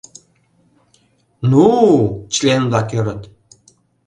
— Ну-у! — член-влак ӧрыт.